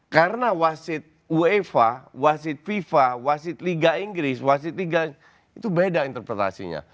karena wasit uefa wasit fifa wasit liga inggris wasit liga itu beda interpretasinya